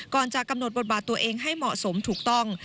ก่อนจะกำหนดบทบาทตัวเองให้เหมาะสมถูกต้อง